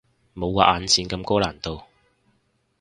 冇畫眼線咁高難度